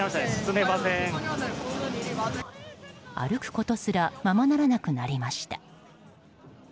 歩くことすらままならなくなりました。